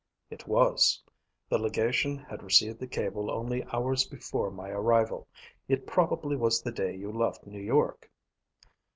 "It was. The legation had received the cable only hours before my arrival. It probably was the day you left New York."